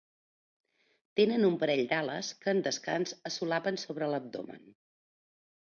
Tenen un parell d'ales, que en descans es solapen sobre l'abdomen.